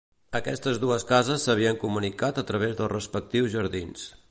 Aquestes dues cases s'havien comunicat a través dels respectius jardins.